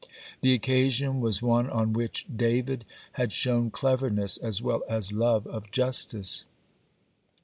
The occasion was one on which David had shown cleverness as well as love of justice.